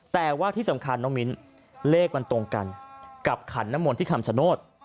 แต่ว่าที่สำคัญน้องมิ้นเลขมันตรงกันกับขันน้ำมนต์ที่คำชโนธ